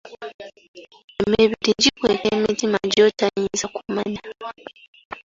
Emibiri gikweka emitima gy’otayinza kumanya